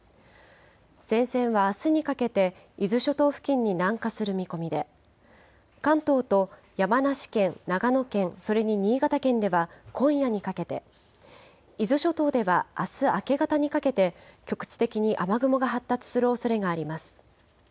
前線はあすにかけて、伊豆諸島付近に南下する見込みで、関東と山梨県、長野県、それに新潟県では今夜にかけて、伊豆諸島ではあす明け方にかけて、局地的に雨雲が発達するおそれがあります。